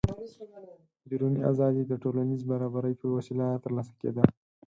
بیروني ازادي د ټولنیز برابري په وسیله ترلاسه کېده.